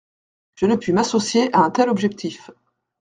Je ne puis m’associer à un tel objectif.